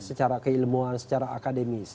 secara keilmuan secara akademis